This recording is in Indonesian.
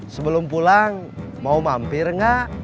sebelum pulang mau mampir nggak